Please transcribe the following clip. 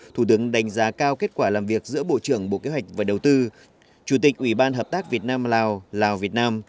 thủ tướng đánh giá cao kết quả làm việc giữa bộ trưởng bộ kế hoạch và đầu tư chủ tịch ủy ban hợp tác việt nam lào lào việt nam